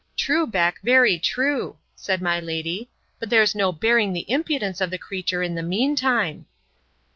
True, Beck, very true, said my lady; but there's no bearing the impudence of the creature in the mean time.